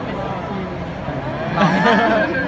มีโครงการทุกทีใช่ไหม